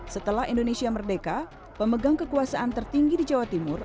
setelah indonesia merdeka pemegang kekuasaan tertinggi di jawa timur